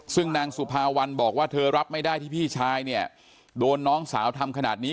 ซึ่งนางสุภาวันบอกว่าเธอรับไม่ได้ที่พี่ชายเนี่ยโดนน้องสาวทำขนาดนี้